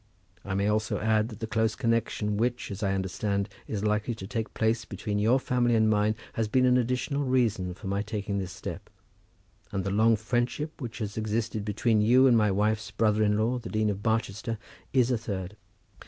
I may also add, that the close connection which, as I understand, is likely to take place between your family and mine has been an additional reason for my taking this step, and the long friendship which has existed between you and my wife's brother in law, the Dean of Barchester, is a third.